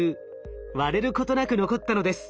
割れることなく残ったのです。